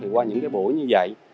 qua những cái buổi như vậy